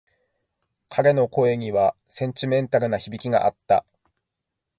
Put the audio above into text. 彼の声にはセンチメンタルな響きがあった。